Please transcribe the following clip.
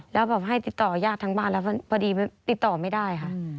แล้วแบบให้ติดต่อยาดทั้งบ้านแล้วพอดีติดต่อไม่ได้ค่ะ